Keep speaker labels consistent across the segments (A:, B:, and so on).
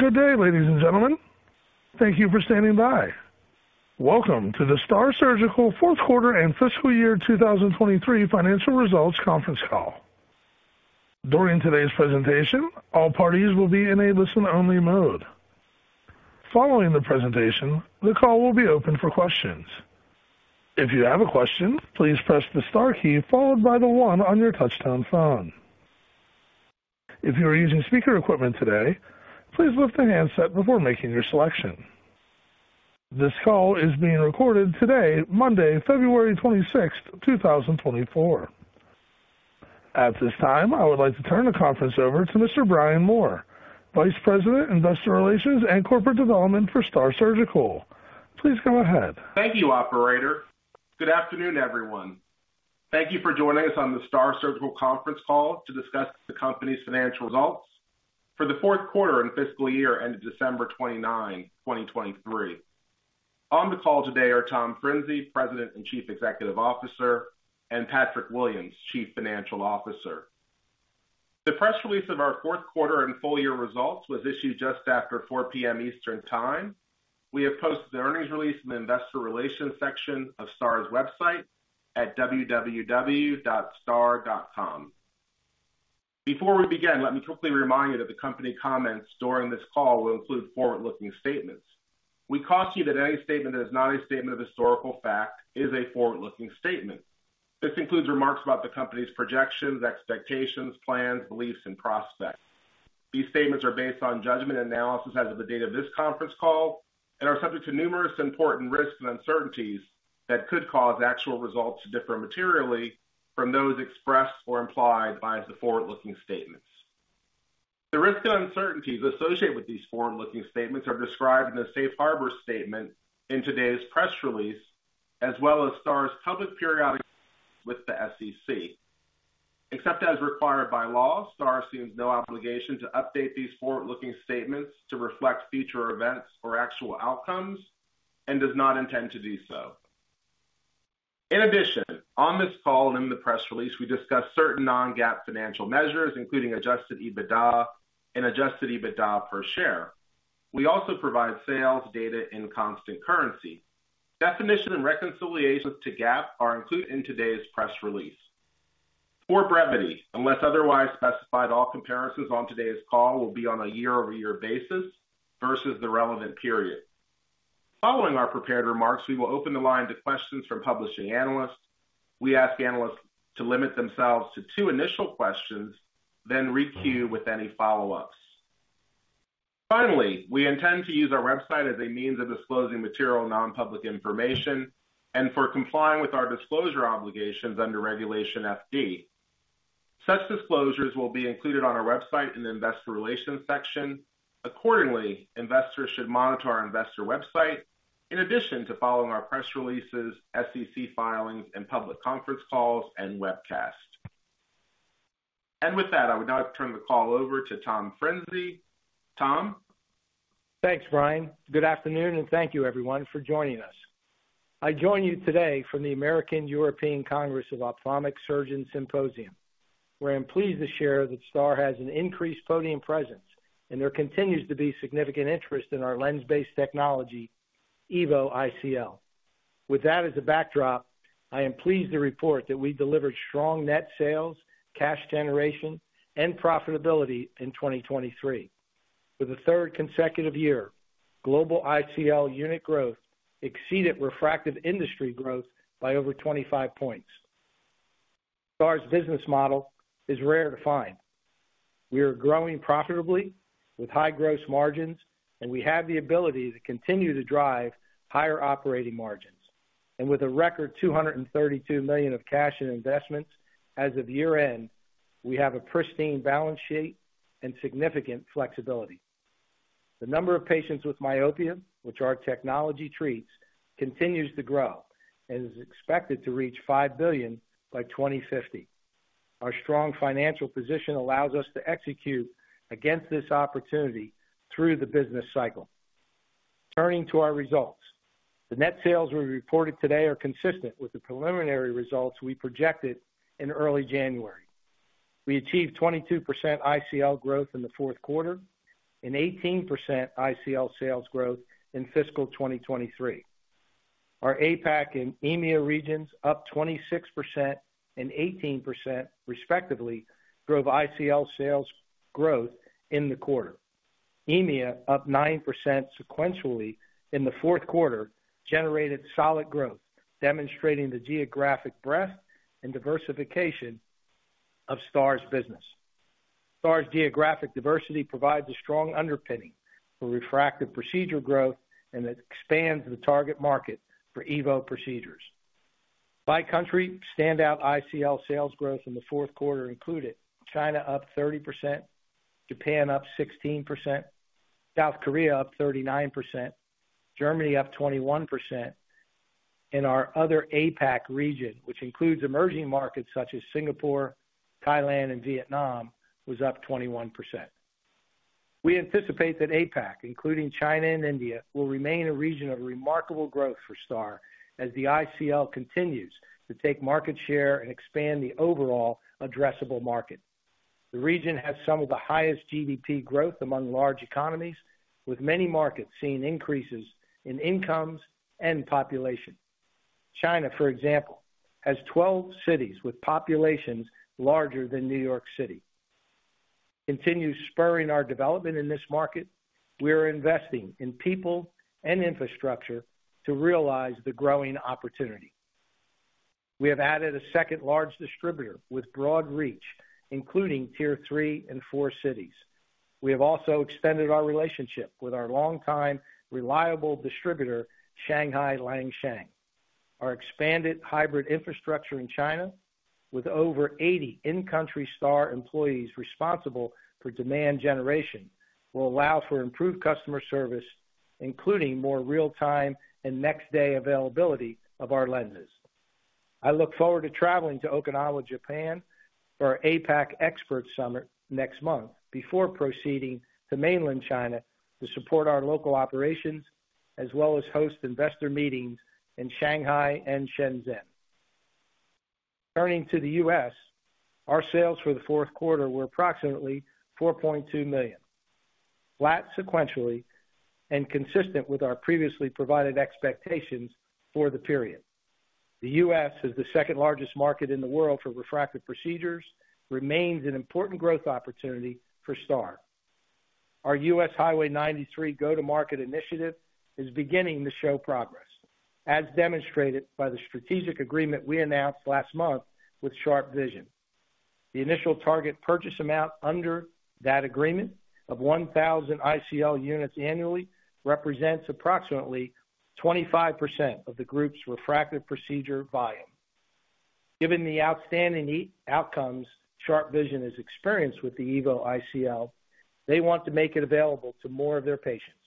A: Good day, ladies and gentlemen. Thank you for standing by. Welcome to the STAAR Surgical Fourth Quarter and Fiscal Year 2023 Financial Results Conference Call. During today's presentation, all parties will be in a listen-only mode. Following the presentation, the call will be opened for questions. If you have a question, please press the star key followed by the one on your touchtone phone. If you are using speaker equipment today, please lift the handset before making your selection. This call is being recorded today, Monday, February 26th, 2024. At this time, I would like to turn the conference over to Mr. Brian Moore, Vice President, Investor Relations and Corporate Development for STAAR Surgical. Please go ahead.
B: Thank you, operator. Good afternoon, everyone. Thank you for joining us on the STAAR Surgical Conference Call to discuss the company's financial results for the fourth quarter and fiscal year ended December 29, 2023. On the call today are Tom Frinzi, President and Chief Executive Officer, and Patrick Williams, Chief Financial Officer. The press release of our fourth quarter and full year results was issued just after 4:00 P.M. Eastern Time. We have posted the earnings release in the investor relations section of STAAR's website at www.staar.com. Before we begin, let me quickly remind you that the company comments during this call will include forward-looking statements. We caution you that any statement that is not a statement of historical fact is a forward-looking statement. This includes remarks about the company's projections, expectations, plans, beliefs, and prospects. These statements are based on judgment and analysis as of the date of this conference call and are subject to numerous important risks and uncertainties that could cause actual results to differ materially from those expressed or implied by the forward-looking statements. The risks and uncertainties associated with these forward-looking statements are described in the safe harbor statement in today's press release, as well as STAAR's public periodic filings with the SEC. Except as required by law, STAAR assumes no obligation to update these forward-looking statements to reflect future events or actual outcomes and does not intend to do so. In addition, on this call and in the press release, we discussed certain non-GAAP financial measures, including adjusted EBITDA and adjusted EBITDA per share. We also provide sales data in constant currency. Definitions and reconciliations to GAAP are included in today's press release. For brevity, unless otherwise specified, all comparisons on today's call will be on a year-over-year basis versus the relevant period. Following our prepared remarks, we will open the line to questions from participating analysts. We ask analysts to limit themselves to two initial questions, then re-queue with any follow-ups. Finally, we intend to use our website as a means of disclosing material non-public information and for complying with our disclosure obligations under Regulation FD. Such disclosures will be included on our website in the investor relations section. Accordingly, investors should monitor our investor website in addition to following our press releases, SEC filings, and public conference calls and webcasts. And with that, I would now turn the call over to Tom Frinzi. Tom?
C: Thanks, Brian. Good afternoon, and thank you everyone for joining us. I join you today from the American European Congress of Ophthalmic Surgeons Symposium, where I'm pleased to share that STAAR has an increased podium presence, and there continues to be significant interest in our lens-based technology, EVO ICL. With that as a backdrop, I am pleased to report that we delivered strong net sales, cash generation, and profitability in 2023. For the third consecutive year, global ICL unit growth exceeded refractive industry growth by over 25 points. STAAR's business model is rare to find. We are growing profitably with high gross margins, and we have the ability to continue to drive higher operating margins. With a record $232 million of cash and investments as of year-end, we have a pristine balance sheet and significant flexibility. The number of patients with myopia, which our technology treats, continues to grow and is expected to reach 5 billion by 2050. Our strong financial position allows us to execute against this opportunity through the business cycle. Turning to our results. The net sales we reported today are consistent with the preliminary results we projected in early January. We achieved 22% ICL growth in the fourth quarter and 18% ICL sales growth in fiscal 2023. Our APAC and EMEA regions, up 26% and 18%, respectively, drove ICL sales growth in the quarter. EMEA, up 9% sequentially in the fourth quarter, generated solid growth, demonstrating the geographic breadth and diversification of STAAR's business. STAAR's geographic diversity provides a strong underpinning for refractive procedure growth, and it expands the target market for EVO procedures. By country, standout ICL sales growth in the fourth quarter included China, up 30%, Japan, up 16%, South Korea, up 39%, Germany, up 21%, and our other APAC region, which includes emerging markets such as Singapore, Thailand, and Vietnam, was up 21%. We anticipate that APAC, including China and India, will remain a region of remarkable growth for STAAR as the ICL continues to take market share and expand the overall addressable market. The region has some of the highest GDP growth among large economies, with many markets seeing increases in incomes and population. China, for example, has 12 cities with populations larger than New York City. Continue spurring our development in this market, we are investing in people and infrastructure to realize the growing opportunity. We have added a second large distributor with broad reach, including tier three and four cities. We have also extended our relationship with our longtime reliable distributor, Shanghai Lansheng. Our expanded hybrid infrastructure in China, with over 80 in-country STAAR employees responsible for demand generation, will allow for improved customer service, including more real-time and next-day availability of our lenses. I look forward to traveling to Okinawa, Japan, for our APAC Expert Summit next month before proceeding to mainland China to support our local operations, as well as host investor meetings in Shanghai and Shenzhen. Turning to the U.S., our sales for the fourth quarter were approximately $4.2 million, flat sequentially and consistent with our previously provided expectations for the period. The U.S. is the second-largest market in the world for refractive procedures, remains an important growth opportunity for STAAR. Our U.S. Highway 93 go-to-market initiative is beginning to show progress, as demonstrated by the strategic agreement we announced last month with SharpeVision. The initial target purchase amount under that agreement of 1,000 ICL units annually represents approximately 25% of the group's refractive procedure volume. Given the outstanding outcomes SharpeVision has experienced with the EVO ICL, they want to make it available to more of their patients,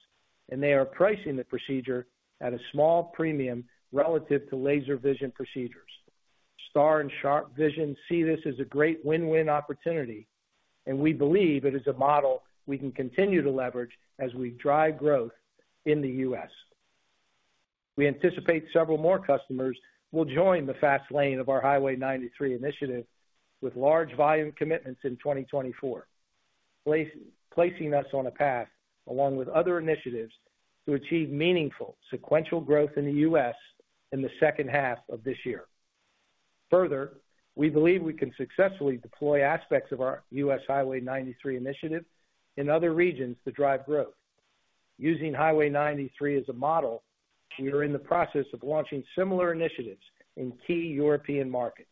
C: and they are pricing the procedure at a small premium relative to laser vision procedures. STAAR and SharpeVision see this as a great win-win opportunity, and we believe it is a model we can continue to leverage as we drive growth in the U.S.. We anticipate several more customers will join the fast lane of our Highway 93 initiative, with large volume commitments in 2024. Placing us on a path, along with other initiatives, to achieve meaningful sequential growth in the U.S. in the second half of this year. Further, we believe we can successfully deploy aspects of our U.S. Highway 93 initiative in other regions to drive growth. Using Highway 93 as a model, we are in the process of launching similar initiatives in key European markets.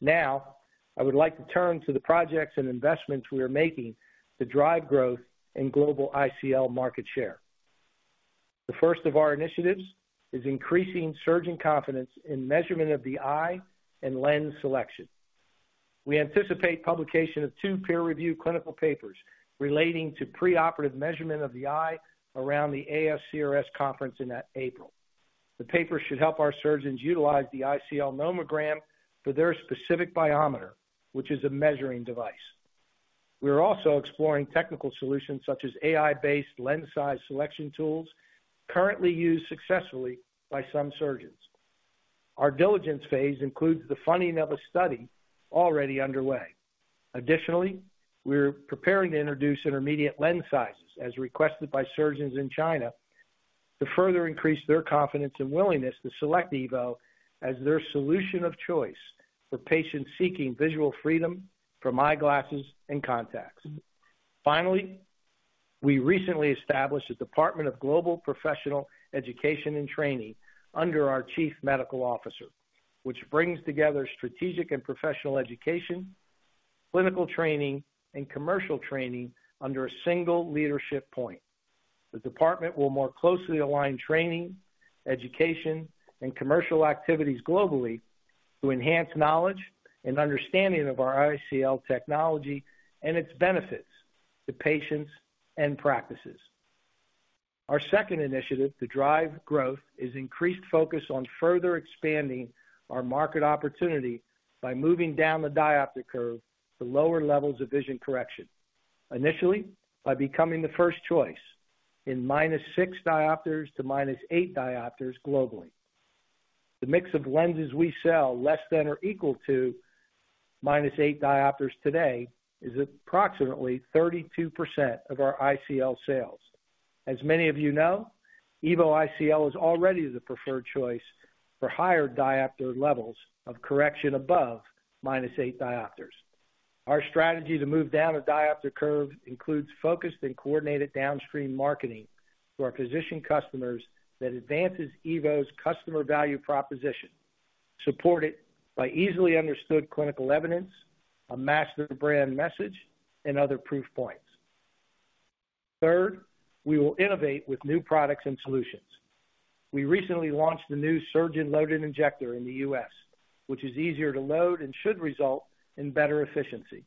C: Now, I would like to turn to the projects and investments we are making to drive growth in global ICL market share. The first of our initiatives is increasing surgeon confidence in measurement of the eye and lens selection. We anticipate publication of two peer-reviewed clinical papers relating to preoperative measurement of the eye around the ASCRS conference in April. The paper should help our surgeons utilize the ICL nomogram for their specific biometer, which is a measuring device. We are also exploring technical solutions such as AI-based lens size selection tools, currently used successfully by some surgeons. Our diligence phase includes the funding of a study already underway. Additionally, we're preparing to introduce intermediate lens sizes, as requested by surgeons in China, to further increase their confidence and willingness to select EVO as their solution of choice for patients seeking visual freedom from eyeglasses and contacts. Finally, we recently established a Department of Global Professional Education and Training under our Chief Medical Officer, which brings together strategic and professional education, clinical training, and commercial training under a single leadership point. The department will more closely align training, education, and commercial activities globally to enhance knowledge and understanding of our ICL technology and its benefits to patients and practices. Our second initiative to drive growth is increased focus on further expanding our market opportunity by moving down the diopter curve to lower levels of vision correction. Initially, by becoming the first choice in -6 diopters to -8 diopters globally. The mix of lenses we sell, less than or equal to -8 diopters today, is approximately 32% of our ICL sales. As many of you know, EVO ICL is already the preferred choice for higher diopter levels of correction above -8 diopters. Our strategy to move down the diopter curve includes focused and coordinated downstream marketing to our physician customers that advances EVO's customer value proposition, supported by easily understood clinical evidence, a master brand message, and other proof points. Third, we will innovate with new products and solutions. We recently launched the new surgeon-loaded injector in the U.S., which is easier to load and should result in better efficiency.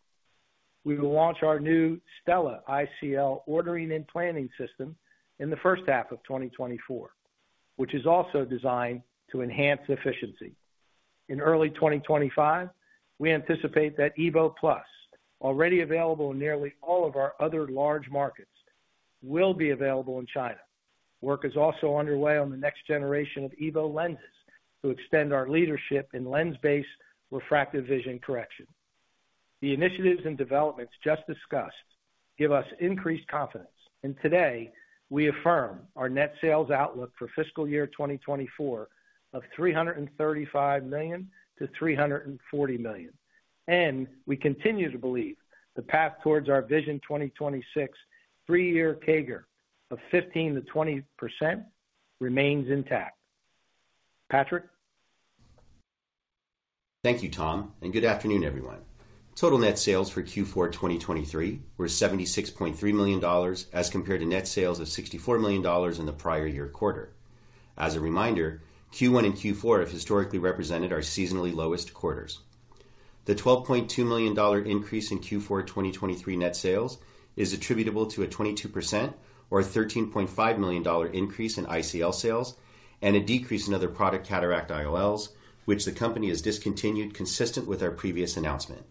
C: We will launch our new Stella ICL ordering and planning system in the first half of 2024, which is also designed to enhance efficiency. In early 2025, we anticipate that EVO+, already available in nearly all of our other large markets, will be available in China. Work is also underway on the next generation of EVO lenses, to extend our leadership in lens-based refractive vision correction. The initiatives and developments just discussed give us increased confidence, and today, we affirm our net sales outlook for fiscal year 2024 of $335 million-$340 million. And we continue to believe the path towards our Vision 2026 three-year CAGR of 15%-20% remains intact. Patrick?
D: Thank you, Tom, and good afternoon, everyone. Total net sales for Q4 2023 were $76.3 million, as compared to net sales of $64 million in the prior year quarter. As a reminder, Q1 and Q4 have historically represented our seasonally lowest quarters. The $12.2 million increase in Q4 2023 net sales is attributable to a 22% or a $13.5 million increase in ICL sales and a decrease in other product cataract IOLs, which the company has discontinued, consistent with our previous announcement.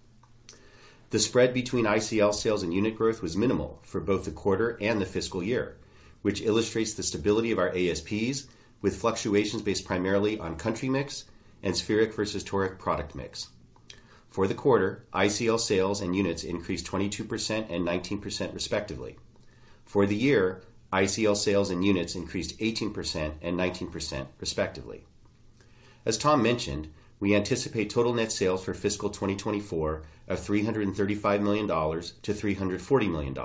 D: The spread between ICL sales and unit growth was minimal for both the quarter and the fiscal year, which illustrates the stability of our ASPs, with fluctuations based primarily on country mix and spheric versus toric product mix. For the quarter, ICL sales and units increased 22% and 19%, respectively. For the year, ICL sales and units increased 18% and 19%, respectively. As Tom mentioned, we anticipate total net sales for fiscal 2024 of $335 million-$340 million.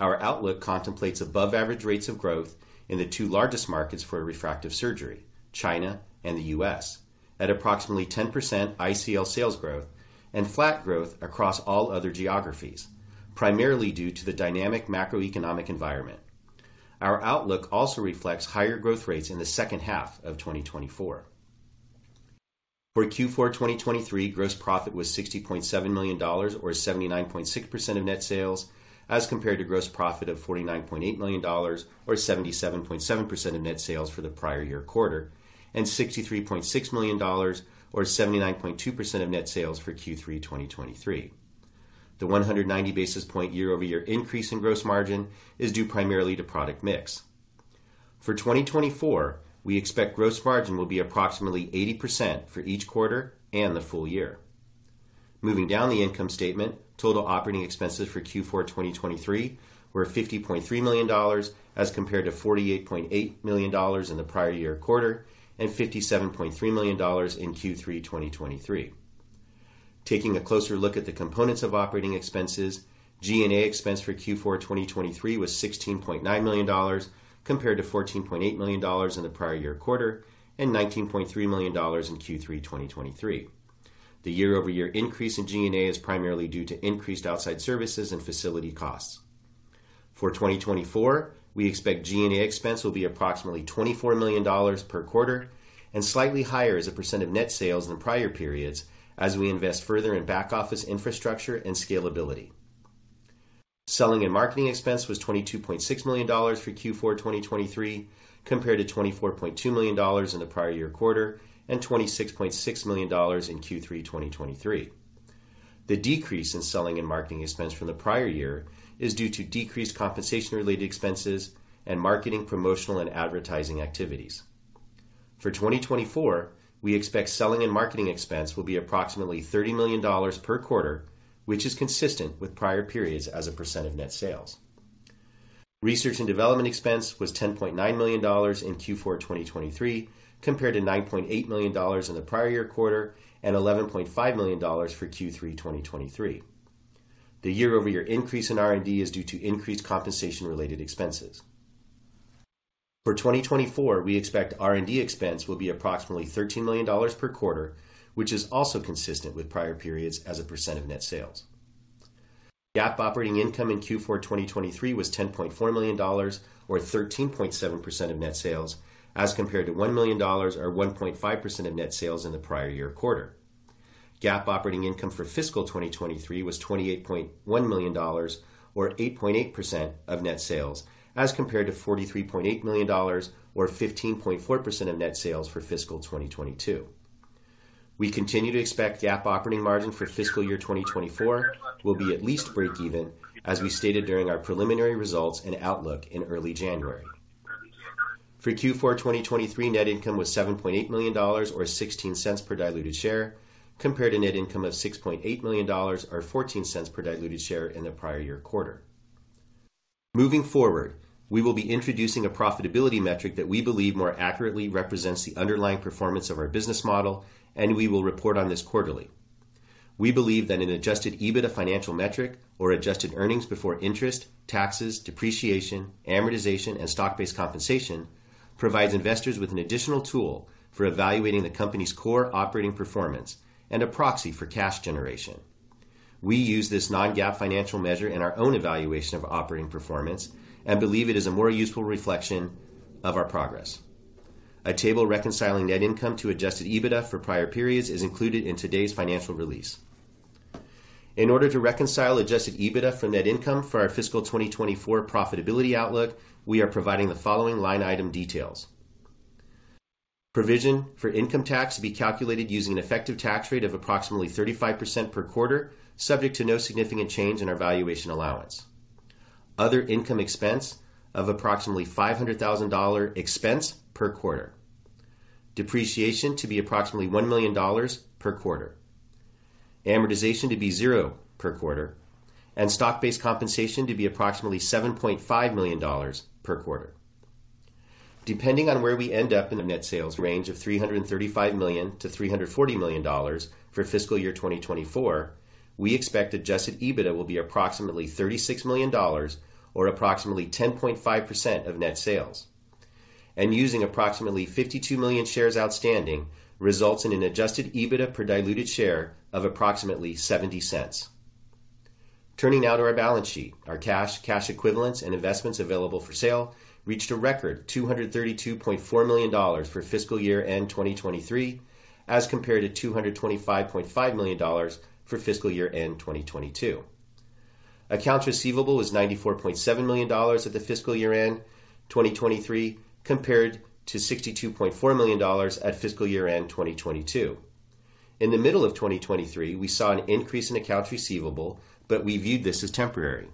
D: Our outlook contemplates above-average rates of growth in the two largest markets for refractive surgery, China and the U.S., at approximately 10% ICL sales growth and flat growth across all other geographies, primarily due to the dynamic macroeconomic environment. Our outlook also reflects higher growth rates in the second half of 2024. For Q4 2023, gross profit was $60.7 million, or 79.6% of net sales, as compared to gross profit of $49.8 million or 77.7% of net sales for the prior year quarter, and $63.6 million or 79.2% of net sales for Q3 2023. The 190 basis point year-over-year increase in gross margin is due primarily to product mix. For 2024, we expect gross margin will be approximately 80% for each quarter and the full year. Moving down the income statement, total operating expenses for Q4 2023 were $50.3 million as compared to $48.8 million in the prior year quarter and $57.3 million in Q3 2023. Taking a closer look at the components of operating expenses, G&A expense for Q4 2023 was $16.9 million, compared to $14.8 million in the prior year quarter and $19.3 million in Q3 2023. The year-over-year increase in G&A is primarily due to increased outside services and facility costs. For 2024, we expect G&A expense will be approximately $24 million per quarter and slightly higher as a percent of net sales than prior periods as we invest further in back-office infrastructure and scalability. Selling and marketing expense was $22.6 million for Q4 2023, compared to $24.2 million in the prior year quarter and $26.6 million in Q3 2023. The decrease in selling and marketing expense from the prior year is due to decreased compensation-related expenses and marketing, promotional, and advertising activities. For 2024, we expect selling and marketing expense will be approximately $30 million per quarter, which is consistent with prior periods as a percent of net sales. Research and development expense was $10.9 million in Q4 2023, compared to $9.8 million in the prior year quarter and $11.5 million for Q3 2023. The year-over-year increase in R&D is due to increased compensation-related expenses. For 2024, we expect R&D expense will be approximately $13 million per quarter, which is also consistent with prior periods as a percent of net sales. GAAP operating income in Q4 2023 was $10.4 million, or 13.7% of net sales, as compared to $1 million, or 1.5% of net sales in the prior year quarter. GAAP operating income for fiscal 2023 was $28.1 million, or 8.8% of net sales, as compared to $43.8 million or 15.4% of net sales for fiscal 2022. We continue to expect GAAP operating margin for fiscal year 2024 will be at least break even, as we stated during our preliminary results and outlook in early January. For Q4 2023, net income was $7.8 million, or 16 cents per diluted share, compared to net income of $6.8 million or 14 cents per diluted share in the prior year quarter. Moving forward, we will be introducing a profitability metric that we believe more accurately represents the underlying performance of our business model, and we will report on this quarterly. We believe that an adjusted EBITDA financial metric or adjusted earnings before interest, taxes, depreciation, amortization, and stock-based compensation, provides investors with an additional tool for evaluating the company's core operating performance and a proxy for cash generation. We use this non-GAAP financial measure in our own evaluation of operating performance and believe it is a more useful reflection of our progress. A table reconciling net income to adjusted EBITDA for prior periods is included in today's financial release. In order to reconcile adjusted EBITDA from net income for our fiscal 2024 profitability outlook, we are providing the following line item details. Provision for income tax to be calculated using an effective tax rate of approximately 35% per quarter, subject to no significant change in our valuation allowance. Other income expense of approximately $500,000 expense per quarter. Depreciation to be approximately $1 million per quarter. Amortization to be zero per quarter, and stock-based compensation to be approximately $7.5 million per quarter. Depending on where we end up in the net sales range of $335 million-$340 million for fiscal year 2024, we expect adjusted EBITDA will be approximately $36 million or approximately 10.5% of net sales. Using approximately 52 million shares outstanding, results in an adjusted EBITDA per diluted share of approximately $0.70. Turning now to our balance sheet. Our cash, cash equivalents, and investments available for sale reached a record $232.4 million for fiscal year-end 2023, as compared to $225.5 million for fiscal year-end 2022. Accounts receivable was $94.7 million at the fiscal year end 2023, compared to $62.4 million at fiscal year end 2022. In the middle of 2023, we saw an increase in accounts receivable, but we viewed this as temporary.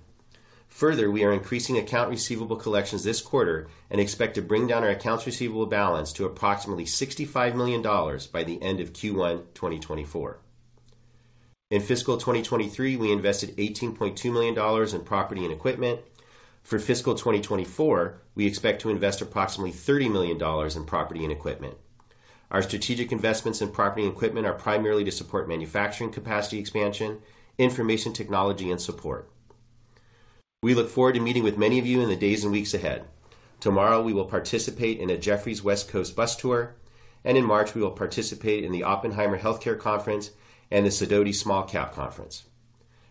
D: Further, we are increasing account receivable collections this quarter and expect to bring down our accounts receivable balance to approximately $65 million by the end of Q1 2024. In fiscal 2023, we invested $18.2 million in property and equipment. For fiscal 2024, we expect to invest approximately $30 million in property and equipment. Our strategic investments in property and equipment are primarily to support manufacturing capacity expansion, information technology, and support. We look forward to meeting with many of you in the days and weeks ahead. Tomorrow, we will participate in a Jefferies West Coast Bus Tour, and in March, we will participate in the Oppenheimer Healthcare Conference and the Sidoti Small Cap Conference.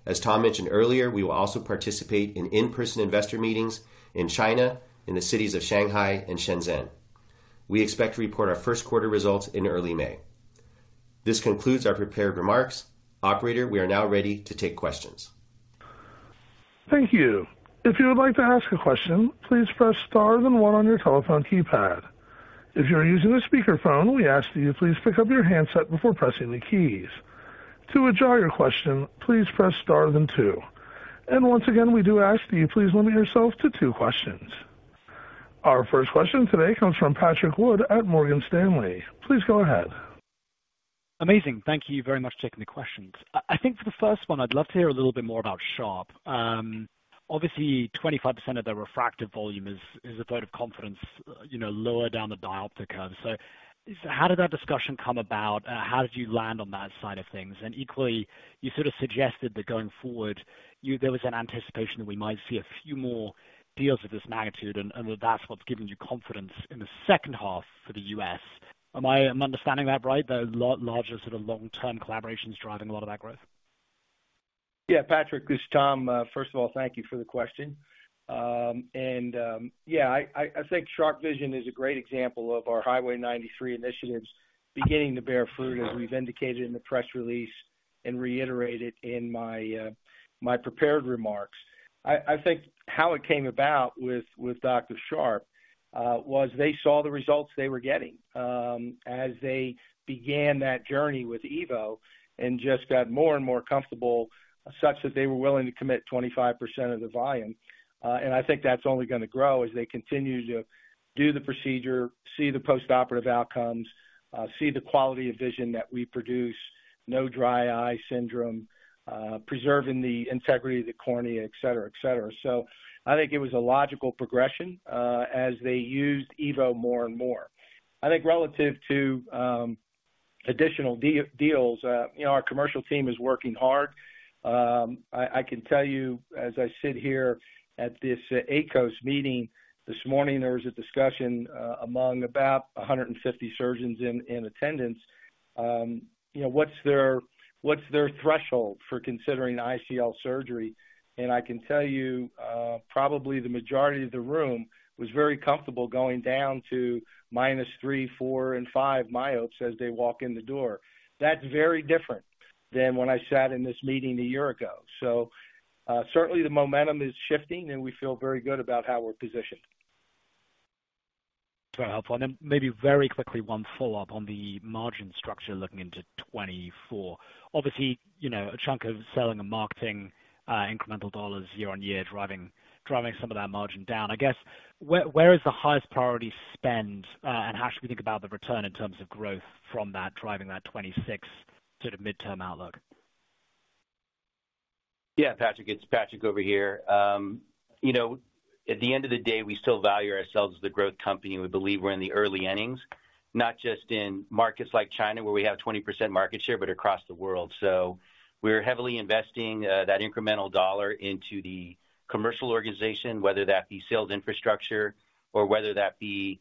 D: As Tom mentioned earlier, we will also participate in in-person investor meetings in China, in the cities of Shanghai and Shenzhen. We expect to report our first quarter results in early May. This concludes our prepared remarks. Operator, we are now ready to take questions.
A: Thank you. If you would like to ask a question, please press star then one on your telephone keypad. If you're using a speakerphone, we ask that you please pick up your handset before pressing the keys. To withdraw your question, please press star then two. Once again, we do ask that you please limit yourself to two questions. Our first question today comes from Patrick Wood at Morgan Stanley. Please go ahead.
E: Amazing. Thank you very much for taking the questions. I think for the first one, I'd love to hear a little bit more about Sharpe. Obviously, 25% of their refractive volume is EVO, a vote of confidence, you know, lower down the diopter curve. So how did that discussion come about? How did you land on that side of things? And equally, you sort of suggested that going forward, you there was an anticipation that we might see a few more deals of this magnitude, and that's what's given you confidence in the second half for the U.S. Am I understanding that right, that a lot larger sort of long-term collaboration is driving a lot of that growth?
C: Yeah, Patrick, it's Tom. First of all, thank you for the question. And, yeah, I think SharpeVision is a great example of our Highway 93 initiatives beginning to bear fruit, as we've indicated in the press release and reiterated in my, my prepared remarks. I think how it came about with, with Dr. Sharpe, was they saw the results they were getting, as they began that journey with EVO and just got more and more comfortable, such that they were willing to commit 25% of the volume. And I think that's only going to grow as they continue to do the procedure, see the postoperative outcomes, see the quality of vision that we produce, no dry eye syndrome, preserving the integrity of the cornea, et cetera, et cetera. So I think it was a logical progression, as they used EVO more and more. I think relative to additional deals, you know, our commercial team is working hard. I can tell you, as I sit here at this AECOS meeting this morning, there was a discussion among about 150 surgeons in attendance, you know, what's their threshold for considering ICL surgery? And I can tell you, probably the majority of the room was very comfortable going down to -3, -4, and -5 myopes as they walk in the door. That's very different than when I sat in this meeting a year ago. So certainly the momentum is shifting, and we feel very good about how we're positioned.
E: Very helpful. Then maybe very quickly, one follow-up on the margin structure looking into 2024. Obviously, you know, a chunk of selling and marketing incremental dollars year on year, driving some of that margin down. I guess, where is the highest priority spend? And how should we think about the return in terms of growth from that, driving that 2026 sort of midterm outlook?
D: Yeah, Patrick, it's Patrick over here. You know, at the end of the day, we still value ourselves as a growth company, and we believe we're in the early innings, not just in markets like China, where we have 20% market share, but across the world. So we're heavily investing that incremental dollar into the commercial organization, whether that be sales infrastructure or whether that be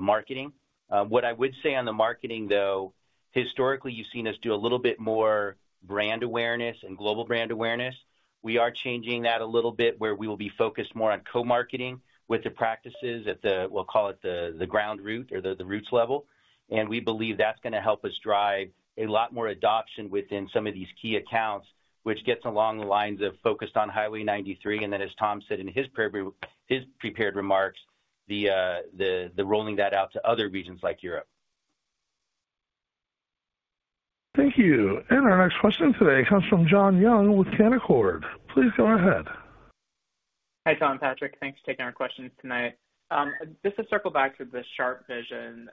D: marketing. What I would say on the marketing, though, historically, you've seen us do a little bit more brand awareness and global brand awareness. We are changing that a little bit, where we will be focused more on co-marketing with the practices at the, we'll call it the ground route or the roots level, and we believe that's going to help us drive a lot more adoption within some of these key accounts, which gets along the lines of focused on Highway 93, and then, as Tom said in his prepared remarks, the rolling that out to other regions like Europe.
A: Thank you. Our next question today comes from Jon Young with Canaccord. Please go ahead.
F: Hi, Tom and Patrick. Thanks for taking our questions tonight. Just to circle back to the SharpeVision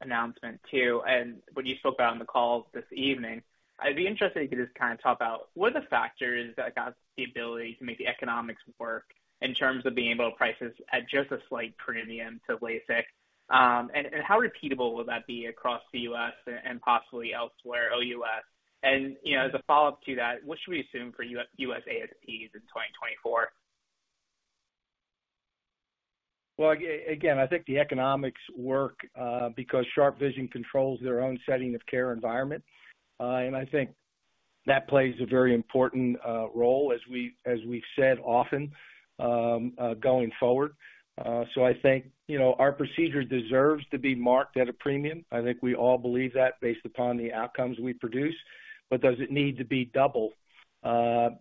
F: announcement, too, and what you spoke about on the call this evening, I'd be interested if you could just kind of talk about what are the factors that got the ability to make the economics work in terms of being able to price this at just a slight premium to LASIK? And how repeatable will that be across the U.S. and possibly elsewhere, OU.S.? And, you know, as a follow-up to that, what should we assume for U.S. ASPs in 2024?
C: Well, again, I think the economics work because SharpeVision controls their own setting of care environment. And I think that plays a very important role, as we've said often going forward. So I think, you know, our procedure deserves to be marked at a premium. I think we all believe that based upon the outcomes we produce. But does it need to be double?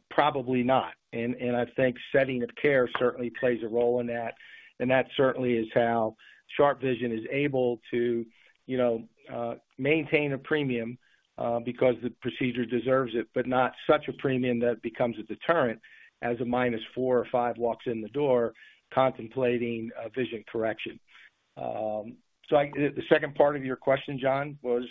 C: Probably not. And I think setting of care certainly plays a role in that, and that certainly is how SharpeVision is able to, you know, maintain a premium because the procedure deserves it, but not such a premium that it becomes a deterrent as a minus 4 or 5 walks in the door contemplating a vision correction. So the second part of your question, John, was?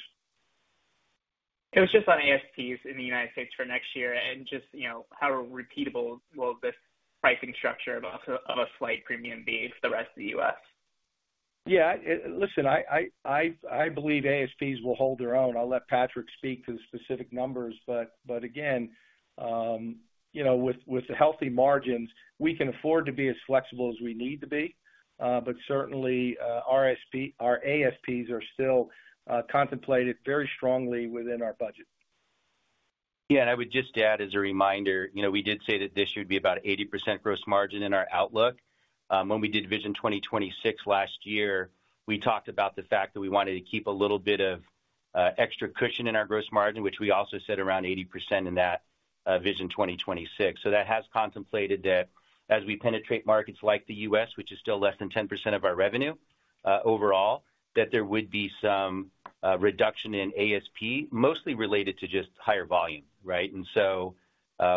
F: It was just on ASPs in the United States for next year, and just, you know, how repeatable will this pricing structure of a slight premium be for the rest of the U.S.?
C: Yeah, listen, I believe ASPs will hold their own. I'll let Patrick speak to the specific numbers, but again, you know, with the healthy margins, we can afford to be as flexible as we need to be. But certainly, RSP our ASPs are still contemplated very strongly within our budget.
D: Yeah, and I would just add as a reminder, you know, we did say that this year would be about 80% gross margin in our outlook. When we did Vision 2026 last year, we talked about the fact that we wanted to keep a little bit of extra cushion in our gross margin, which we also set around 80% in that Vision 2026. So that has contemplated that as we penetrate markets like the U.S., which is still less than 10% of our revenue overall, that there would be some reduction in ASP, mostly related to just higher volume, right? And so,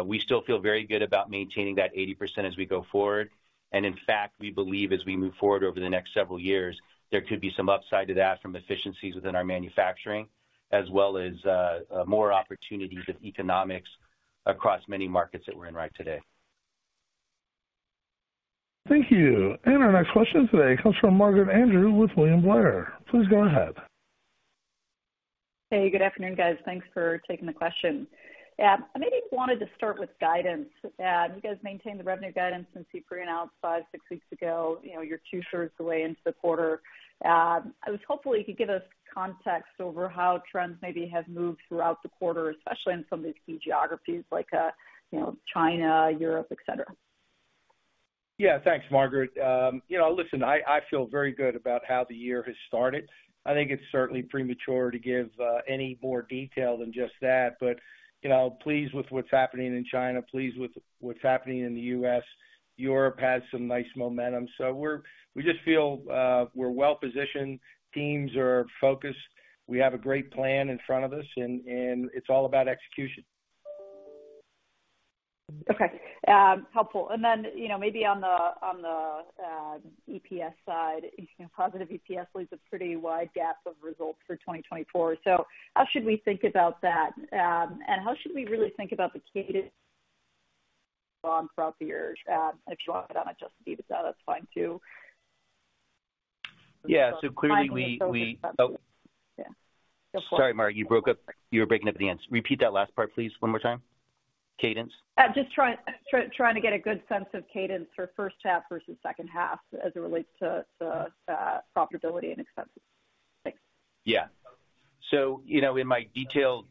D: we still feel very good about maintaining that 80% as we go forward. In fact, we believe as we move forward over the next several years, there could be some upside to that from efficiencies within our manufacturing, as well as more opportunities with economics across many markets that we're in right today.
A: Thank you. Our next question today comes from Margaret Andrew with William Blair. Please go ahead.
G: Hey, good afternoon, guys. Thanks for taking the question. I maybe wanted to start with guidance. You guys maintained the revenue guidance since you pre-announced five, six weeks ago, you know, you're two-thirds the way into the quarter. I was hopeful you could give us context over how trends maybe have moved throughout the quarter, especially in some of these key geographies like, you know, China, Europe, et cetera.
C: Yeah, thanks, Margaret. You know, listen, I feel very good about how the year has started. I think it's certainly premature to give any more detail than just that. But, you know, pleased with what's happening in China, pleased with what's happening in the U.S. Europe has some nice momentum, so we just feel we're well positioned, teams are focused. We have a great plan in front of us, and it's all about execution.
G: Okay, helpful. And then, you know, maybe on the, on the, EPS side, you know, positive EPS leaves a pretty wide gap of results for 2024. So how should we think about that? And how should we really think about the cadence throughout the year? And if you want to comment on Adjusted EBITDA, that's fine, too.
D: Yeah, so clearly, we.
G: Yeah.
D: Sorry, Margaret, you broke up. You were breaking up at the end. Repeat that last part, please, one more time. Cadence?
G: Just trying to get a good sense of cadence for first half versus second half as it relates to profitability and expenses. Thanks.
D: Yeah. So, you know, in my detailed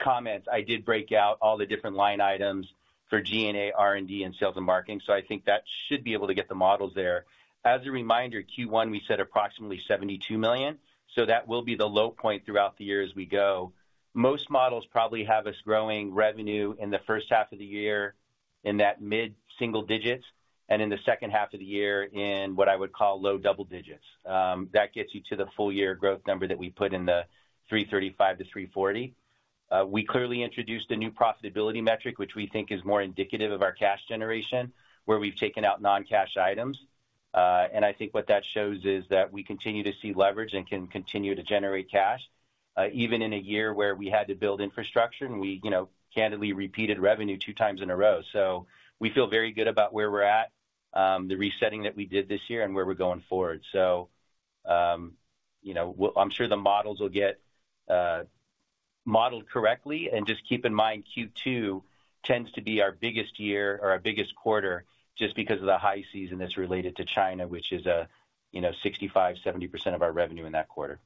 D: comments, I did break out all the different line items for G&A, R&D, and sales and marketing, so I think that should be able to get the models there. As a reminder, Q1, we said approximately $72 million, so that will be the low point throughout the year as we go. Most models probably have us growing revenue in the first half of the year in that mid-single digits and in the second half of the year in what I would call low double digits. That gets you to the full year growth number that we put in the $335 million-$340 million. We clearly introduced a new profitability metric, which we think is more indicative of our cash generation, where we've taken out non-cash items. And I think what that shows is that we continue to see leverage and can continue to generate cash, even in a year where we had to build infrastructure and we, you know, candidly repeated revenue two times in a row. So we feel very good about where we're at, the resetting that we did this year and where we're going forward. So, you know, I'm sure the models will get modeled correctly. And just keep in mind, Q2 tends to be our biggest year or our biggest quarter just because of the high season that's related to China, which is, you know, 65%-70% of our revenue in that quarter.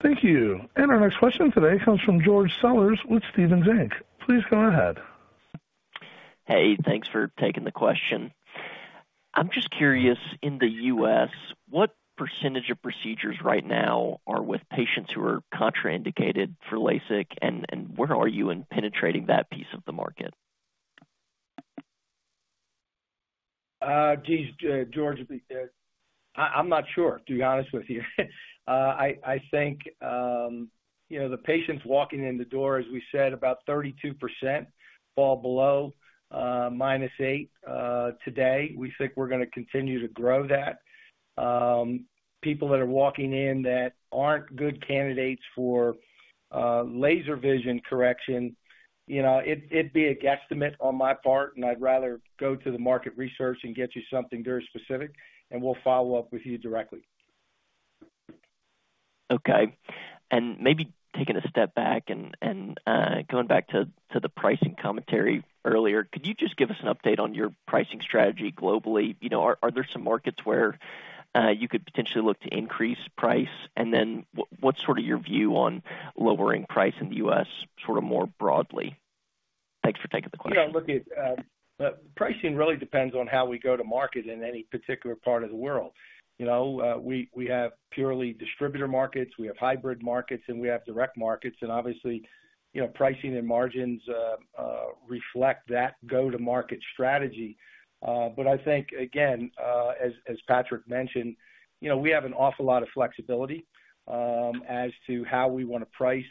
A: Thank you. Our next question today comes from George Sellers with Stephens Inc. Please go ahead.
H: Hey, thanks for taking the question. I'm just curious, in the U.S., what percentage of procedures right now are with patients who are contraindicated for LASIK, and where are you in penetrating that piece of the market?
C: Geez, George, I'm not sure, to be honest with you. I think, you know, the patients walking in the door, as we said, about 32% fall below -8. Today, we think we're gonna continue to grow that. People that are walking in that aren't good candidates for laser vision correction, you know, it'd be a guesstimate on my part, and I'd rather go to the market research and get you something very specific, and we'll follow up with you directly.
H: Okay. Maybe taking a step back and going back to the pricing commentary earlier, could you just give us an update on your pricing strategy globally? You know, are there some markets where you could potentially look to increase price? And then what's sort of your view on lowering price in the U.S., sort of, more broadly? Thanks for taking the question.
C: Yeah, look, pricing really depends on how we go to market in any particular part of the world. You know, we have purely distributor markets, we have hybrid markets, and we have direct markets. And obviously, you know, pricing and margins reflect that go-to-market strategy. But I think, again, as Patrick mentioned, you know, we have an awful lot of flexibility as to how we wanna price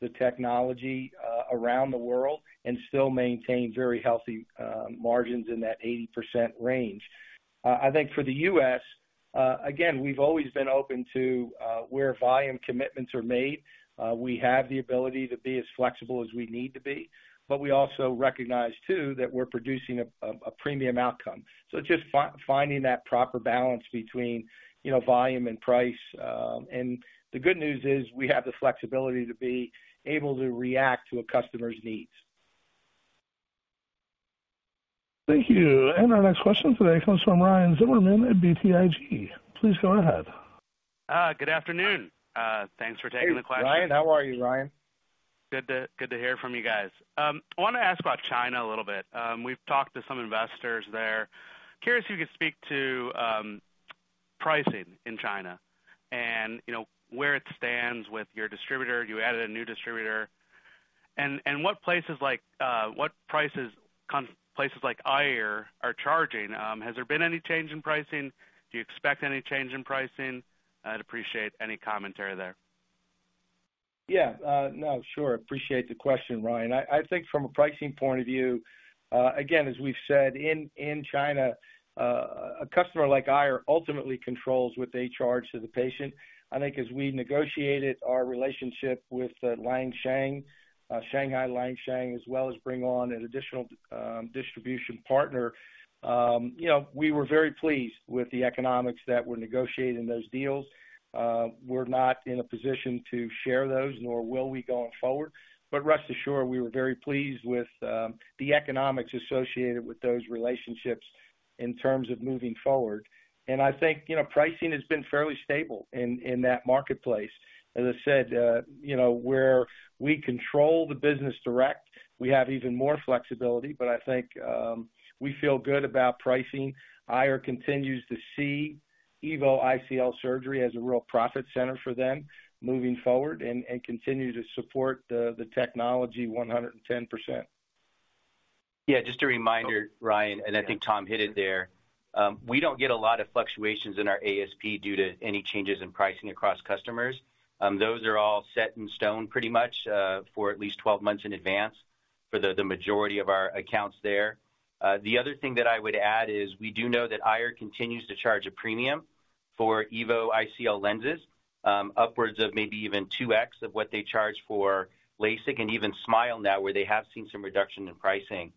C: the technology around the world and still maintain very healthy margins in that 80% range. I think for the U.S., again, we've always been open to where volume commitments are made. We have the ability to be as flexible as we need to be, but we also recognize, too, that we're producing a premium outcome. Just finding that proper balance between, you know, volume and price. The good news is, we have the flexibility to be able to react to a customer's needs.
A: Thank you. And our next question today comes from Ryan Zimmerman at BTIG. Please go ahead.
I: Good afternoon. Thanks for taking the question.
C: Hey, Ryan. How are you, Ryan?
I: Good to hear from you guys. I wanna ask about China a little bit. We've talked to some investors there. Curious if you could speak to pricing in China and, you know, where it stands with your distributor. You added a new distributor. And what places like AIER are charging? Has there been any change in pricing? Do you expect any change in pricing? I'd appreciate any commentary there.
C: Yeah. No, sure. Appreciate the question, Ryan. I think from a pricing point of view, again, as we've said in China, a customer like AIER ultimately controls what they charge to the patient. I think as we negotiated our relationship with Lansheng, Shanghai Lansheng, as well as bring on an additional distribution partner, you know, we were very pleased with the economics that were negotiated in those deals. We're not in a position to share those, nor will we going forward. But rest assured, we were very pleased with the economics associated with those relationships in terms of moving forward. And I think, you know, pricing has been fairly stable in that marketplace. As I said, you know, where we control the business direct, we have even more flexibility, but I think, we feel good about pricing. AIER continues to see EVO ICL surgery as a real profit center for them moving forward and, and continue to support the, the technology 110%.
D: Yeah, just a reminder, Ryan, and I think Tom hit it there. We don't get a lot of fluctuations in our ASP due to any changes in pricing across customers. Those are all set in stone pretty much, for at least 12 months in advance for the majority of our accounts there. The other thing that I would add is, we do know that AIER continues to charge a premium for EVO ICL lenses, upwards of maybe even 2x of what they charge for LASIK and even SMILE now, where they have seen some reduction in pricing.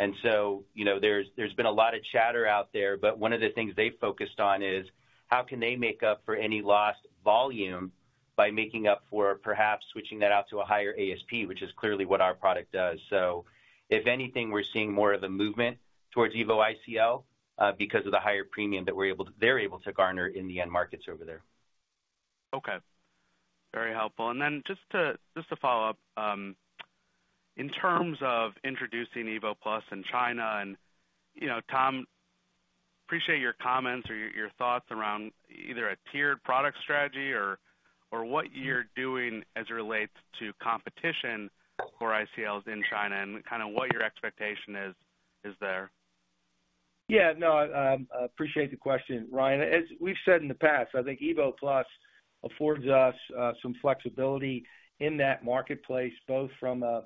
D: And so, you know, there's been a lot of chatter out there, but one of the things they focused on is, how can they make up for any lost volume by making up for perhaps switching that out to a higher ASP, which is clearly what our product does. So if anything, we're seeing more of a movement towards EVO ICL, because of the higher premium that we're able to, they're able to garner in the end markets over there.
I: Okay, very helpful. And then just to follow up, in terms of introducing EVO+ in China and, you know, Tom, appreciate your comments or your thoughts around either a tiered product strategy or what you're doing as it relates to competition for ICLs in China and kind of what your expectation is, is there?
C: Yeah, no, I appreciate the question, Ryan. As we've said in the past, I think EVO+ affords us some flexibility in that marketplace, both from a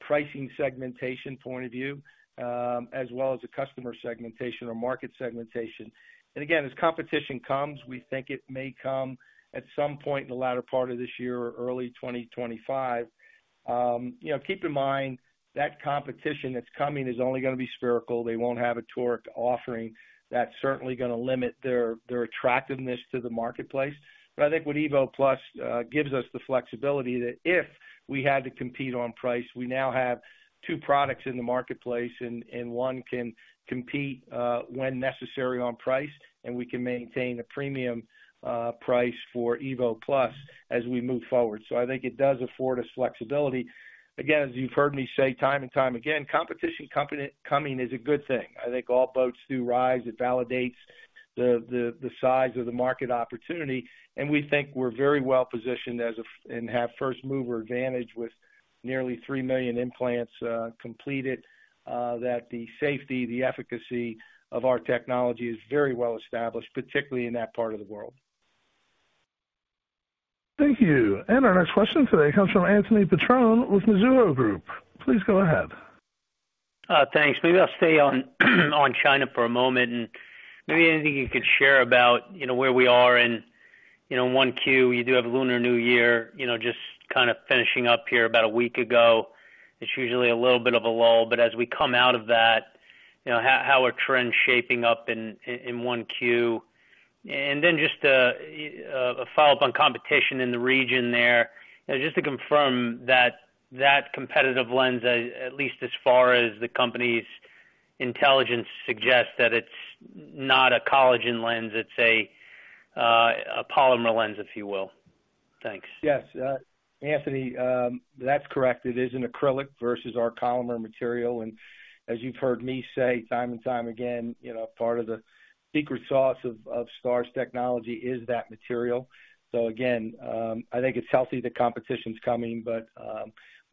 C: pricing segmentation point of view, as well as a customer segmentation or market segmentation. And again, as competition comes, we think it may come at some point in the latter part of this year or early 2025. You know, keep in mind that competition that's coming is only gonna be spherical. They won't have a toric offering. That's certainly gonna limit their attractiveness to the marketplace. But I think what EVO+ gives us the flexibility, that if we had to compete on price, we now have two products in the marketplace, and one can compete, when necessary, on price, and we can maintain a premium price for EVO+ as we move forward. So I think it does afford us flexibility. Again, as you've heard me say time and time again, competition coming is a good thing. I think all boats do rise. It validates the size of the market opportunity, and we think we're very well positioned as a and have first mover advantage with nearly 3 million implants completed that the safety, the efficacy of our technology is very well established, particularly in that part of the world.
A: Thank you. Our next question today comes from Anthony Petrone with Mizuho Group. Please go ahead.
J: Thanks. Maybe I'll stay on China for a moment, and maybe anything you could share about, you know, where we are in, you know, in 1Q, you do have Lunar New Year, you know, just kind of finishing up here about a week ago. It's usually a little bit of a lull, but as we come out of that, you know, how are trends shaping up in 1Q? And then just a follow-up on competition in the region there, just to confirm that that competitive lens, at least as far as the company's intelligence, suggests that it's not a collagen lens, it's a polymer lens, if you will. Thanks.
C: Yes, Anthony, that's correct. It is an acrylic versus our polymer material, and as you've heard me say time and time again, you know, part of the secret sauce of STAAR's technology is that material. So again, I think it's healthy, the competition's coming, but,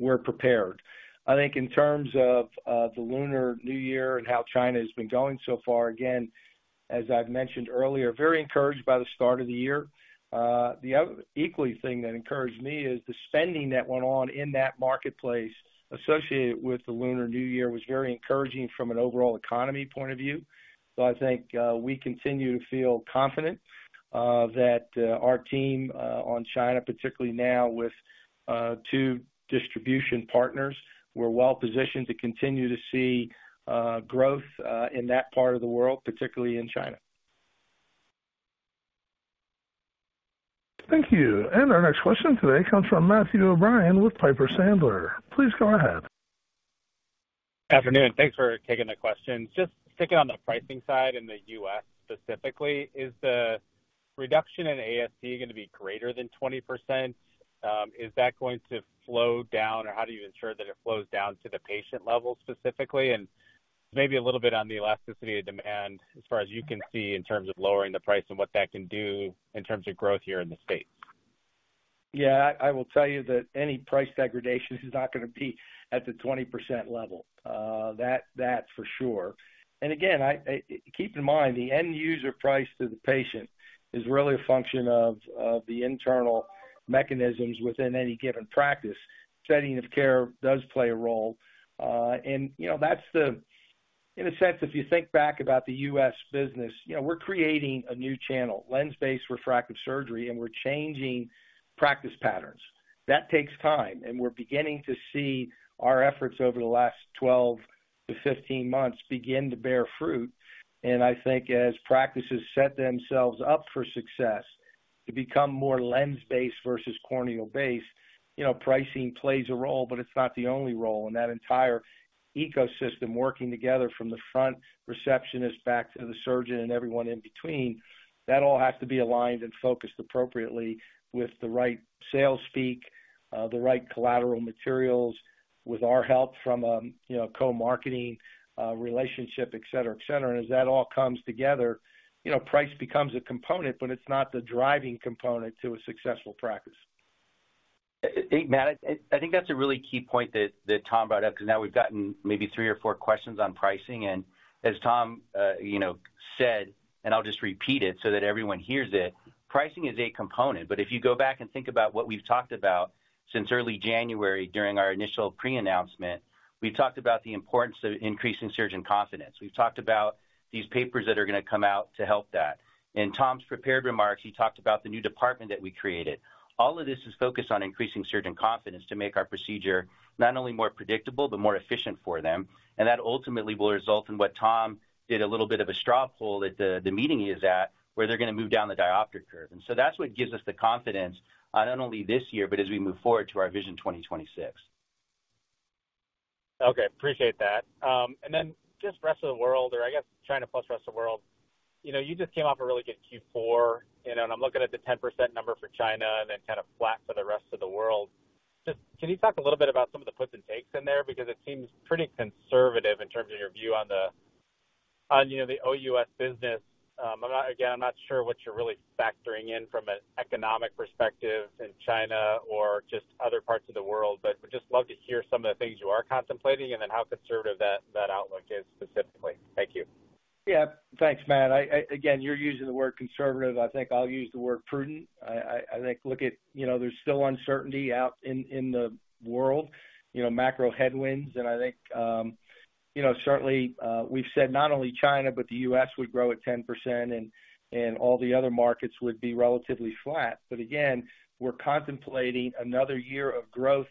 C: we're prepared. I think in terms of, the Lunar New Year and how China has been going so far, again, as I've mentioned earlier, very encouraged by the start of the year. The other equally thing that encouraged me is the spending that went on in that marketplace associated with the Lunar New Year was very encouraging from an overall economy point of view. So I think we continue to feel confident that our team on China, particularly now with two distribution partners, we're well positioned to continue to see growth in that part of the world, particularly in China.
A: Thank you. Our next question today comes from Matthew O'Brien with Piper Sandler. Please go ahead.
K: Good afternoon. Thanks for taking the question. Just sticking on the pricing side in the U.S. specifically, is the reduction in ASP going to be greater than 20%? Is that going to flow down, or how do you ensure that it flows down to the patient level specifically? And maybe a little bit on the elasticity of demand as far as you can see, in terms of lowering the price and what that can do in terms of growth here in the States.
C: Yeah, I will tell you that any price degradation is not gonna be at the 20% level. That, that's for sure. And again, keep in mind, the end user price to the patient is really a function of the internal mechanisms within any given practice. Setting of care does play a role, and, you know, that's in a sense, if you think back about the U.S. business, you know, we're creating a new channel, lens-based refractive surgery, and we're changing practice patterns. That takes time, and we're beginning to see our efforts over the last 12-15 months begin to bear fruit. And I think as practices set themselves up for success to become more lens-based versus corneal-based, you know, pricing plays a role, but it's not the only role. That entire ecosystem, working together from the front receptionist back to the surgeon and everyone in between, that all has to be aligned and focused appropriately with the right sales speak, the right collateral materials, with our help from a, you know, co-marketing, relationship, et cetera, et cetera. As that all comes together, you know, price becomes a component, but it's not the driving component to a successful practice.
D: Hey, Matt, I think that's a really key point that Tom brought up, because now we've gotten maybe three or four questions on pricing. And as Tom, you know, said, and I'll just repeat it so that everyone hears it, pricing is a component, but if you go back and think about what we've talked about since early January during our initial pre-announcement, we've talked about the importance of increasing surgeon confidence. We've talked about these papers that are gonna come out to help that. In Tom's prepared remarks, he talked about the new department that we created. All of this is focused on increasing surgeon confidence to make our procedure not only more predictable, but more efficient for them, and that ultimately will result in what Tom did a little bit of a straw poll at the meeting he was at, where they're gonna move down the diopter curve. And so that's what gives us the confidence, not only this year, but as we move forward to our Vision 2026.
K: Okay, appreciate that. And then just the rest of the world, or I guess China plus rest of the world. You know, you just came off a really good Q4, you know, and I'm looking at the 10% number for China and then kind of flat for the rest of the world. Just, can you talk a little bit about some of the puts and takes in there? Because it seems pretty conservative in terms of your view on the, you know, the OUS business. Again, I'm not sure what you're really factoring in from an economic perspective in China or just other parts of the world, but would just love to hear some of the things you are contemplating and then how conservative that outlook is specifically. Thank you.
C: Yeah. Thanks, Matt. Again, you're using the word conservative. I think I'll use the word prudent. I think, you know, there's still uncertainty out in the world, you know, macro headwinds. And I think, certainly, we've said not only China, but the U.S. would grow at 10%, and all the other markets would be relatively flat. But again, we're contemplating another year of growth,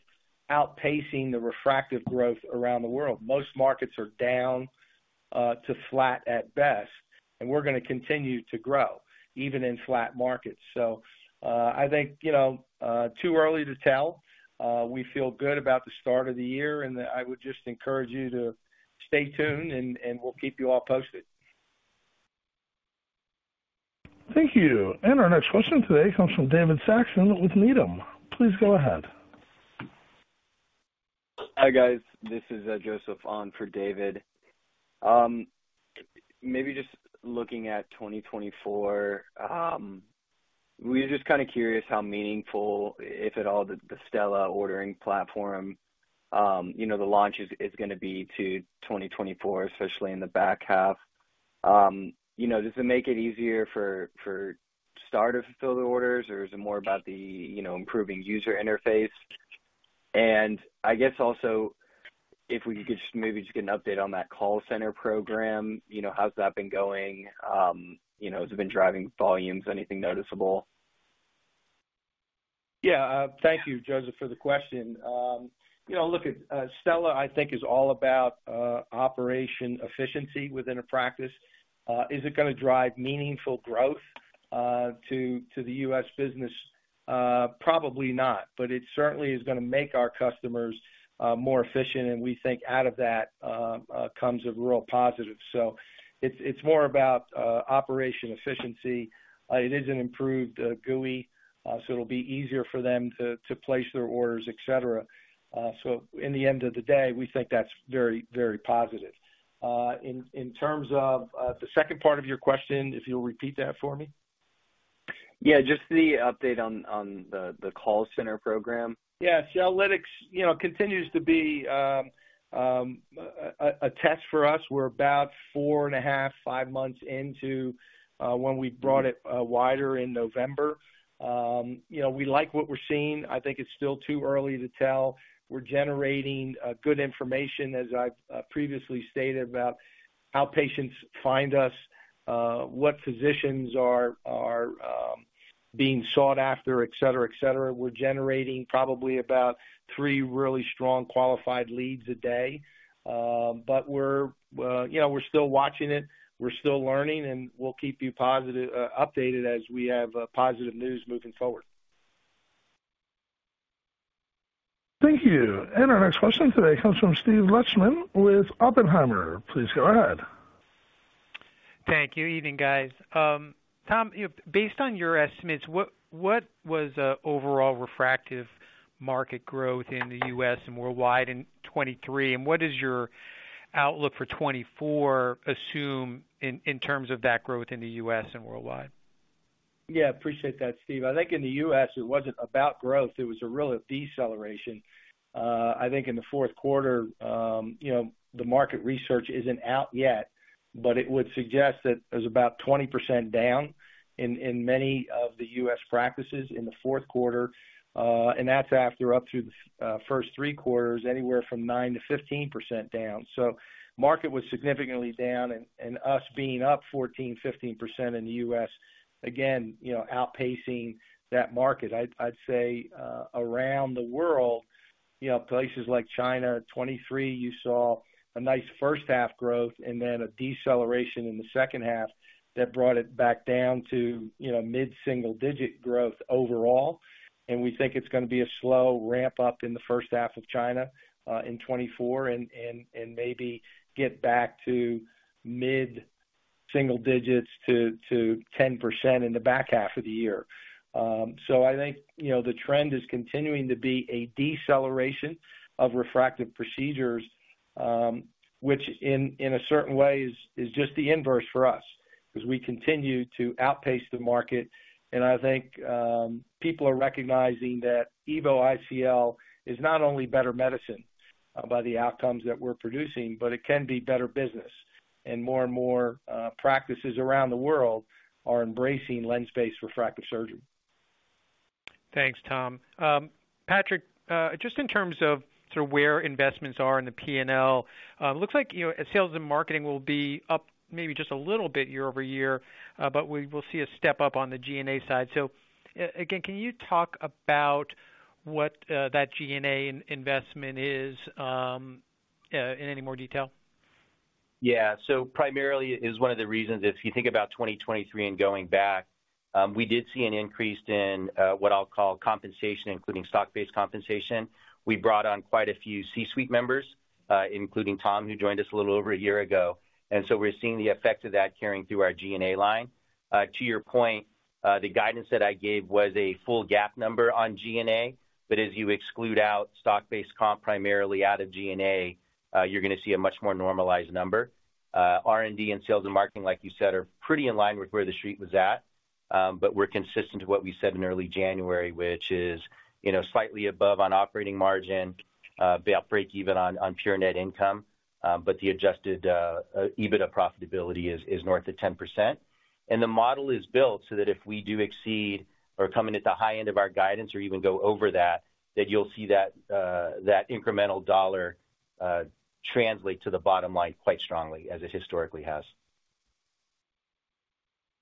C: outpacing the refractive growth around the world. Most markets are down to flat at best, and we're gonna continue to grow, even in flat markets. So, I think, you know, too early to tell. We feel good about the start of the year, and I would just encourage you to stay tuned, and we'll keep you all posted.
A: Thank you. Our next question today comes from David Saxon with Needham. Please go ahead.
L: Hi, guys. This is Joseph on for David. Maybe just looking at 2024, we're just kind of curious how meaningful, if at all, the Stella ordering platform, you know, the launch is, is gonna be to 2024, especially in the back half. You know, does it make it easier for STAAR to fulfill the orders, or is it more about the, you know, improving user interface? And I guess also, if we could just maybe just get an update on that call center program, you know, how's that been going? You know, has it been driving volumes, anything noticeable?
C: Yeah. Thank you, Joseph, for the question. You know, look, Stella, I think, is all about, operation efficiency within a practice. Is it gonna drive meaningful growth, to the U.S. business? Probably not, but it certainly is gonna make our customers, more efficient, and we think out of that, comes a real positive. So it's, it's more about, operation efficiency. It is an improved GUI, so it'll be easier for them to, to place their orders, et cetera. So in the end of the day, we think that's very, very positive. In terms of, the second part of your question, if you'll repeat that for me.
L: Yeah, just the update on the call center program.
C: Yeah, Shellytics, you know, continues to be a test for us. We're about 4.5, five months into when we brought it wider in November. You know, we like what we're seeing. I think it's still too early to tell. We're generating good information, as I've previously stated, about how patients find us, what physicians are being sought after, et cetera, et cetera. We're generating probably about 3 really strong qualified leads a day. But we're, you know, we're still watching it, we're still learning, and we'll keep you positive updated as we have positive news moving forward.
A: Thank you. Our next question today comes from Steve Lichtman with Oppenheimer. Please go ahead.
M: Thank you. Evening, guys. Tom, you know, based on your estimates, what was overall refractive market growth in the U.S. and worldwide in 2023? And what is your outlook for 2024 assuming in terms of that growth in the U.S. and worldwide?
C: Yeah, appreciate that, Steve. I think in the U.S., it wasn't about growth, it was a real deceleration. I think in the fourth quarter, you know, the market research isn't out yet, but it would suggest that it was about 20% down in many of the U.S. practices in the fourth quarter, and that's after up to the first three quarters, anywhere from 9%-15% down. So market was significantly down, and us being up 14%-15% in the U.S., again, you know, outpacing that market. I'd say, around the world, you know, places like China, 23, you saw a nice first half growth and then a deceleration in the second half that brought it back down to, you know, mid-single digit growth overall. We think it's gonna be a slow ramp up in the first half of China in 2024 and maybe get back to mid-single digits to 10% in the back half of the year. So I think, you know, the trend is continuing to be a deceleration of refractive procedures, which in a certain way is just the inverse for us, 'cause we continue to outpace the market. I think people are recognizing that EVO ICL is not only better medicine by the outcomes that we're producing, but it can be better business. And more and more practices around the world are embracing lens-based refractive surgery.
M: Thanks, Tom. Patrick, just in terms of sort of where investments are in the P&L, looks like, you know, sales and marketing will be up maybe just a little bit year-over-year, but we will see a step up on the G&A side. So again, can you talk about what that G&A investment is in any more detail?
D: Yeah. So primarily is one of the reasons, if you think about 2023 and going back, we did see an increase in what I'll call compensation, including stock-based compensation. We brought on quite a few C-suite members, including Tom, who joined us a little over a year ago, and so we're seeing the effect of that carrying through our G&A line. To your point, the guidance that I gave was a full GAAP number on G&A, but as you exclude out stock-based comp, primarily out of G&A, you're gonna see a much more normalized number. R&D and sales and marketing, like you said, are pretty in line with where the Street was at. But we're consistent to what we said in early January, which is, you know, slightly above on operating margin, break even on pure net income. But the adjusted EBITDA profitability is north of 10%. And the model is built so that if we do exceed or come in at the high end of our guidance or even go over that, then you'll see that that incremental dollar translate to the bottom line quite strongly, as it historically has.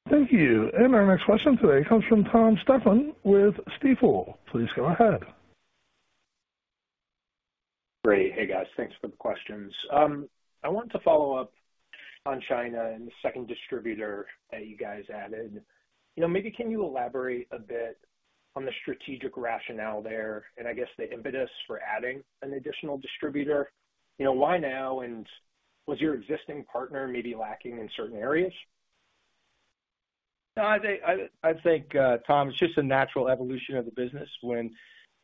A: Thank you. Our next question today comes from Tom Stephan with Stifel. Please go ahead.
N: Great. Hey, guys, thanks for the questions. I wanted to follow up on China and the second distributor that you guys added. You know, maybe can you elaborate a bit on the strategic rationale there, and I guess the impetus for adding an additional distributor? You know, why now, and was your existing partner maybe lacking in certain areas?
C: No, I think, Tom, it's just a natural evolution of the business. When,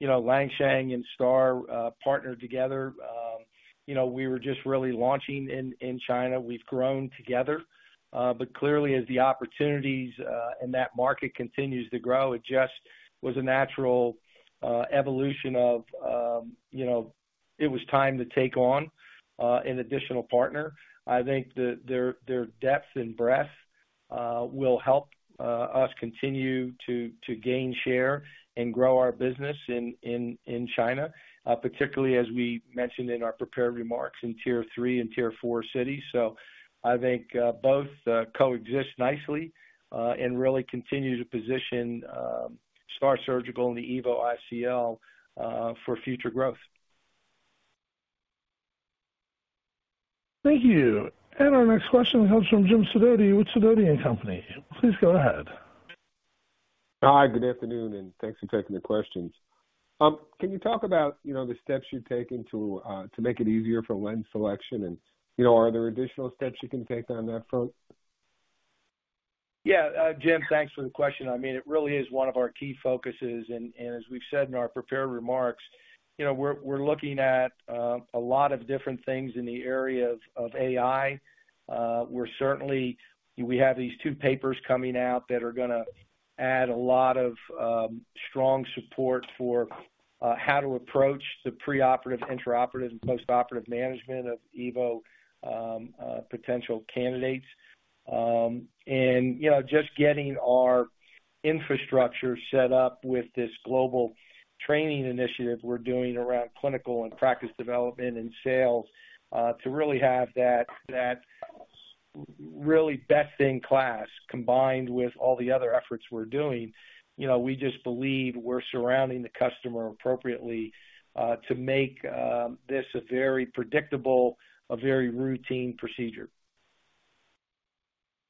C: you know, Liang Shang and STAAR, partnered together, you know, we were just really launching in China. We've grown together, but clearly, as the opportunities in that market continues to grow, it just was a natural evolution of. It was time to take on an additional partner. I think that their depth and breadth will help us continue to gain share and grow our business in China, particularly as we mentioned in our prepared remarks in tier three and tier four cities. So I think both coexist nicely and really continue to position STAAR Surgical and the EVO ICL for future growth.
A: Thank you. Our next question comes from Jim Sidoti with Sidoti & Company. Please go ahead.
O: Hi, good afternoon, and thanks for taking the questions. Can you talk about, you know, the steps you're taking to, to make it easier for lens selection? And, you know, are there additional steps you can take on that front?
C: Yeah. Jim, thanks for the question. I mean, it really is one of our key focuses, and as we've said in our prepared remarks, you know, we're looking at a lot of different things in the area of AI. We're certainly we have these two papers coming out that are gonna add a lot of strong support for how to approach the preoperative, intraoperative, and postoperative management of EVO potential candidates. And you know, just getting our infrastructure set up with this global training initiative we're doing around clinical and practice development and sales to really have that really best in class, combined with all the other efforts we're doing. You know, we just believe we're surrounding the customer appropriately to make this a very predictable, a very routine procedure.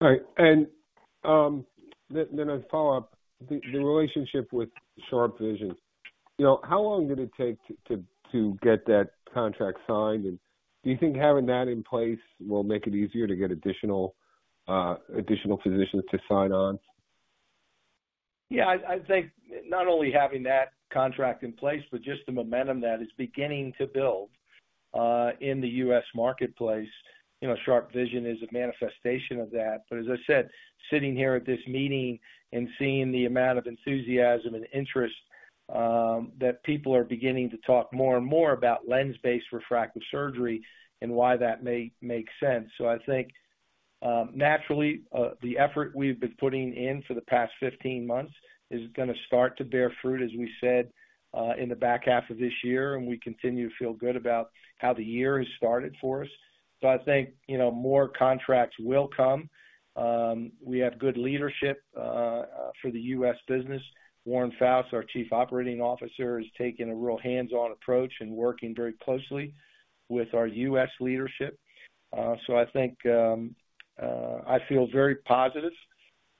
O: Right. And then a follow-up. The relationship with SharpeVision, you know, how long did it take to get that contract signed? And do you think having that in place will make it easier to get additional physicians to sign on?
C: Yeah, I think not only having that contract in place, but just the momentum that is beginning to build in the U.S. marketplace. You know, SharpeVision is a manifestation of that. But as I said, sitting here at this meeting and seeing the amount of enthusiasm and interest that people are beginning to talk more and more about lens-based refractive surgery and why that may make sense. So I think, naturally, the effort we've been putting in for the past 15 months is gonna start to bear fruit, as we said, in the back half of this year, and we continue to feel good about how the year has started for us. So I think, you know, more contracts will come. We have good leadership for the U.S. business. Warren Foust, our Chief Operating Officer, is taking a real hands-on approach and working very closely with our U.S. leadership. So I think I feel very positive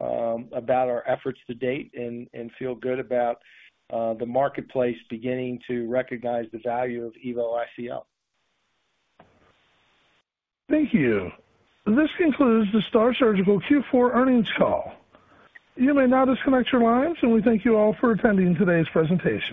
C: about our efforts to date and feel good about the marketplace beginning to recognize the value of EVO ICL.
A: Thank you. This concludes the STAAR Surgical Q4 Earnings Call. You may now disconnect your lines, and we thank you all for attending today's presentation.